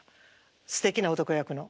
すてきな男役の。